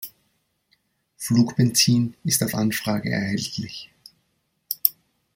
Flugbenzin ist auf Anfrage erhältlich.